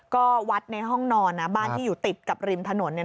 ก็วัดในห้องนอนนะบ้านที่อยู่ติดกับริมถนนเนี่ย